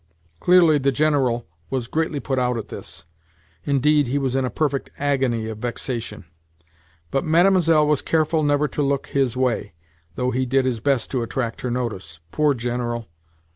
Clearly the General was greatly put out at this. Indeed, he was in a perfect agony of vexation. But Mlle. was careful never to look his way, though he did his best to attract her notice. Poor General!